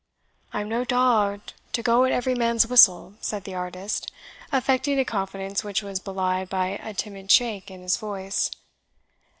"I am no dog, to go at every man's whistle," said the artist, affecting a confidence which was belied by a timid shake in his voice.